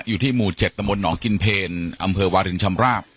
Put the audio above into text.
อยู่ที่หมู่๗ตะมนตหนองกินเพลอำเภอวารินชำราบ